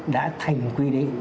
đã thành quy định